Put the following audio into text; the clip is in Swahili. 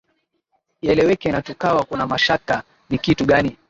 ieleweki na tukawa kuna mashaka ni kitu gani